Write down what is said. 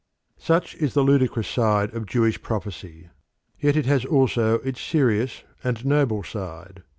Such is the ludicrous side of Jewish prophecy; yet it has also its serious and noble side.